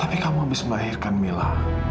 tapi kamu habis melahirkan mila